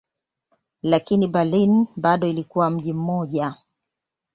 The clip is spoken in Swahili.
Lakini Berlin bado ilikuwa mji mmoja.